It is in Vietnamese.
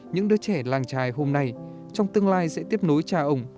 những đứa trẻ làng trài hôm nay trong tương lai sẽ tiếp nối cha ông